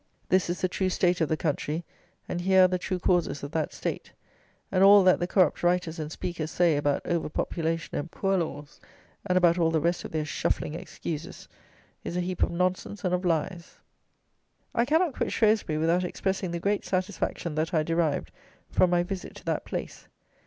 This is the true state of the country, and here are the true causes of that state; and all that the corrupt writers and speakers say about over population and poor laws, and about all the rest of their shuffling excuses, is a heap of nonsense and of lies. I cannot quit Shrewsbury without expressing the great satisfaction that I derived from my visit to that place.